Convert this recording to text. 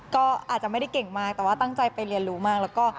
ก็อาจจะไม่ได้เก่งมากแต่ตั้งใจจะไปเรียนรู้มาก